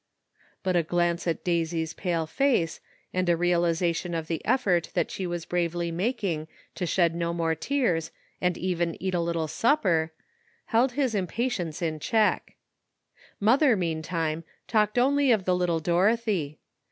But a glance at Daisy's pale face, and a realization of the effort that she was bravely making to shed no more tears and even eat a little supper, held his impatience in THE UNEXPECTED HAPPENS. 189 check. The mother, meantime, talked only of the little Dorothy.